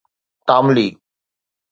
تاملي